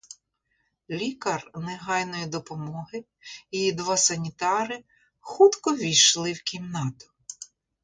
Лікар негайної допомоги і два санітари хутко ввійшли в кімнату.